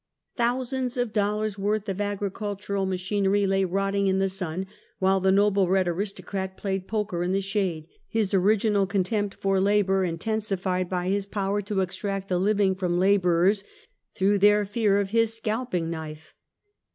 Thousands of dollars' worth of agricultural machinery lay " rotting in the sun" while the noble red aristocrat played poker in the shade; his original contempt for labor intensified by his power to extract a living from laborers, through their fear of his scalping knife.